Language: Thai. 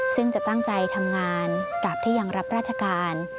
ซึ่งจะตั้งใจทำงานตราบที่ยังรับราชการ